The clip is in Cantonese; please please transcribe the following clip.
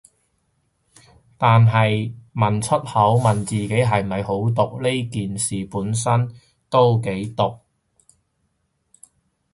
但係問出口，問自己係咪好毒，呢件事本身都幾毒